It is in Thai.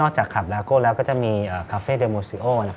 ครับตั้งแต่หลัง๑๑โมงมันต้นไปเริ่มบริการอาหารกลางวันจนถึงลึกเลย